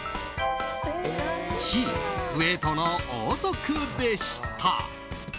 Ｃ、クウェートの王族でした。